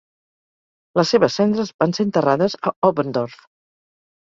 Les seves cendres van ser enterrades a Oberndorf.